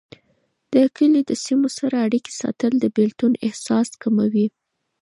د کلي د سیمو سره اړيکې ساتل، د بیلتون احساس کموي.